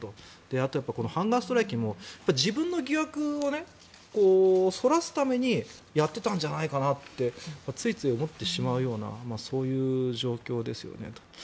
あとハンガーストライキも自分の疑惑をそらすためにやっていたんじゃないかなってついつい思ってしまうような状況ですよねと。